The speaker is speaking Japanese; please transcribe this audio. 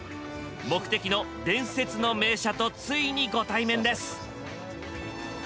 目的の伝説の名車とついにご対面です。